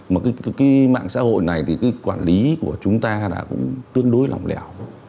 mà cái mạng xã hội này thì cái quản lý của chúng ta đã cũng tương đối lòng lẻo